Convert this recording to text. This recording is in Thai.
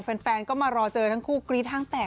แฟนก็มารอเจอทั้งคู่กรี๊ดห้างแตก